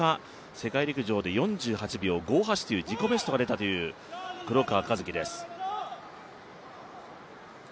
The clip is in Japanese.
世界陸上で４８秒５８という自己ベストが出たという黒川和樹です。